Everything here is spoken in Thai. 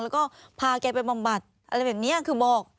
แล้วก็พาแกไปบำบัดอะไรแบบนี้คือบอก